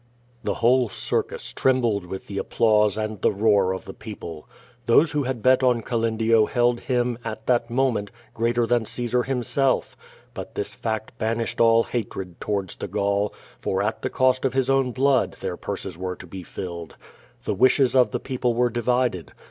The whole circus trembled with the applause and the roar of the people Those who had bet on Calendio held him, at that moment, greater than Caesar himself. But this fact banished all hatred towards the Gaul, for, at the cost of his own blood, their purses were to be filled. The wishes of th ^ people were divided.